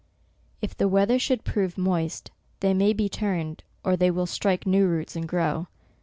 If the weather should prove moist, they must be turned, or they will strike new roots and grow.